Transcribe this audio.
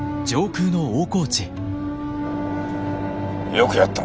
よくやった。